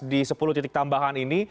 di sepuluh titik tambahan ini